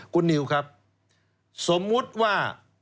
คุณนิวครับสมมุติว่า